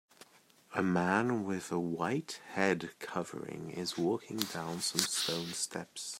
A man with a white head covering is walking down some stone steps.